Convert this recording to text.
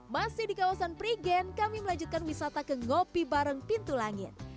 masih di kawasan prigen kami melanjutkan wisata ke ngopi bareng pintu langit